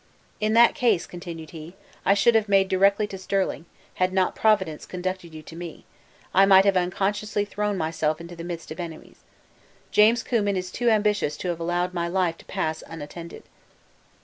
"In that case," continued he, "I should have made directly to Stirling, and had not Providence conducted you to me, I might have unconsciously thrown myself into the midst of enemies. James Cummin is too ambitious to have allowed my life to pass unattempted."